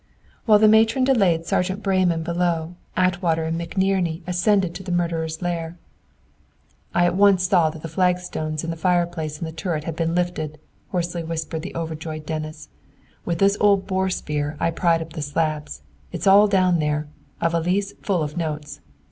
While the matron delayed Sergeant Breyman below, Atwater and McNerney ascended to the murderer's lair. "I at once saw that the flagstones of the fireplace in the turret had been lifted," hoarsely whispered the overjoyed Dennis. "With this old boar spear I pried up the slabs. It's all down in there. A valise full of notes!